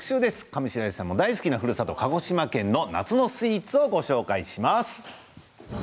上白石さんも大好きなふるさと鹿児島県の夏のスイーツをご紹介します。